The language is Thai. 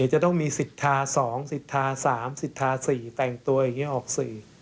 จะต้องมีสิทธาสองสิทธาสามสิทธาสี่แต่งตัวอย่างนี้ออกสี่